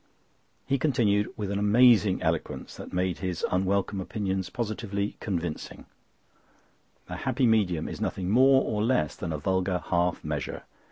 He continued, with an amazing eloquence that made his unwelcome opinions positively convincing: "The happy medium is nothing more or less than a vulgar half measure.